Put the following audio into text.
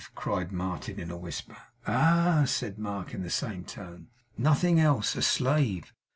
cried Martin, in a whisper. 'Ah!' said Mark in the same tone. 'Nothing else. A slave.